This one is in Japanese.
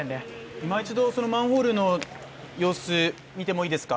いま一度マンホールの様子を見てもいいですか？